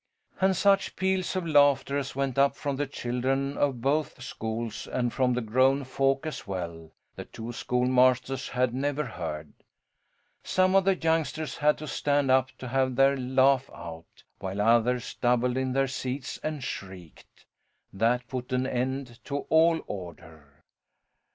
And such peals of laughter as went up from the children of both schools and from the grown folk as well, the two schoolmasters had never heard. Some of the youngsters had to stand up to have their laugh out, while others doubled in their seats, and shrieked. That put an end to all order.